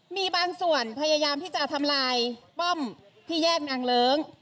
มีบางส่วนพยายามที่จะทำลายป้อมที่แยกนางเลิ้ง